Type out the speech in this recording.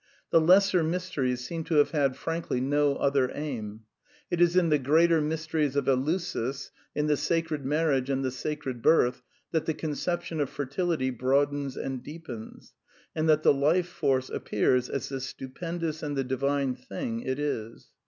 The Lesser Mysteries seem to^ have had, frankly, no other aim. It is in the Greater Mysteries of Eleusis, in the Sacred Marriage and the Sacred Birth that the conception of fertility broadens and deepens, and that the Life Force appears as the stupendous ^ and the divine thing it is.